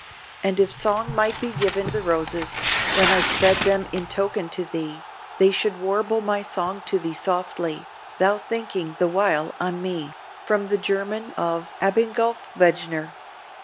And if song might be given the roses, When I sped them in token to thee, They should warble my song to thee softly— Thou thinking the while on me!" —From the German of Abingulf Wegener.